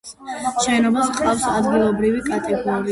შენობას ჰყავს ადგილობრივი კატეგორიის დაცვა.